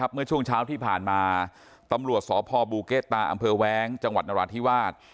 เมื่อช่วงเช้าที่ผ่านมาตำรวจสพบูเกะตาอำเภอแว้งจังหวัดนราธิวาส